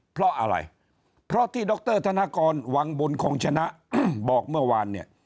เพราะอะไรเพราะที่ดรธนกรวังบุญคงชนะบอกเมื่อวานเนี่ย